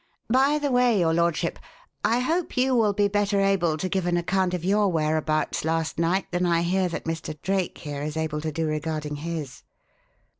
By the way, your lordship, I hope you will be better able to give an account of your whereabouts last night than I hear that Mr. Drake here is able to do regarding his."